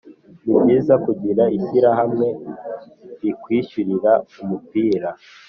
Ni byiza kugira ishyirahamwe likwishyulira umupira.